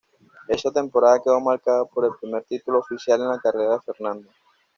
Esa temporada quedó marcada por el primer título oficial en la carrera de Fernando.